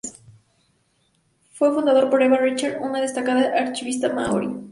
Fue fundado por Eva Rickard, una destacada activista maorí.